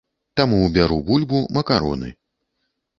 Таму бяру бульбу, макароны.